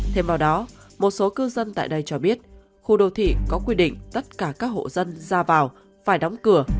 thêm vào đó một số cư dân tại đây cho biết khu đô thị có quy định tất cả các hộ dân ra vào phải đóng cửa